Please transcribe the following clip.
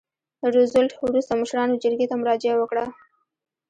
روزولټ وروسته مشرانو جرګې ته مراجعه وکړه.